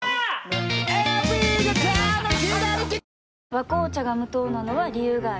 「和紅茶」が無糖なのは、理由があるんよ。